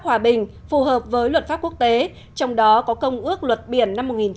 một mươi bốn hòa bình phù hợp với luật pháp quốc tế trong đó có công ước luật biển